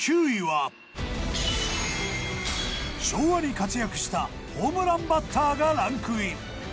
昭和に活躍したホームランバッターがランクイン。